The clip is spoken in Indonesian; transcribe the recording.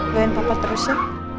doain papa terus ya